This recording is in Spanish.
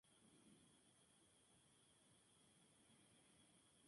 La misma semana debutaron en "SmackDown" con una victoria frente a The Usos.